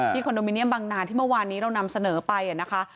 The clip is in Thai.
คอนโดมิเนียมบางนาที่เมื่อวานนี้เรานำเสนอไปนะคะ